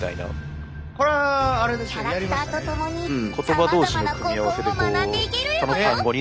キャラクターと共にさまざまな語根を学んでいけるエボよ！